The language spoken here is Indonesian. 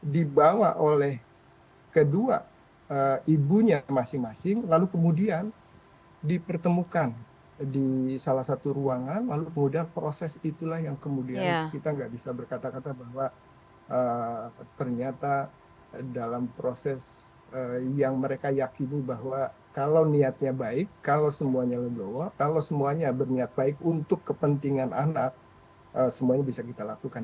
dia di bawah oleh kedua ibunya masing masing lalu kemudian dipertemukan di salah satu ruangan lalu kemudian proses itulah yang kemudian kita nggak bisa berkata kata bahwa ternyata dalam proses yang mereka yakini bahwa kalau niatnya baik kalau semuanya berbawa kalau semuanya berniat baik untuk kepentingan anak semuanya bisa kita lakukan